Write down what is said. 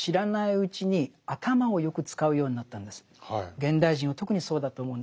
現代人は特にそうだと思うんですね。